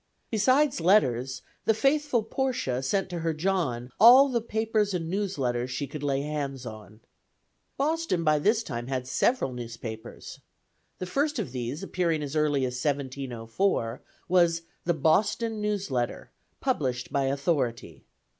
Beside letters, the faithful Portia sent to her John all the papers and news letters she could lay hands on. Boston by this time had several newspapers. The first of these, appearing as early as 1704, was the Boston News Letter, "Published by Authority."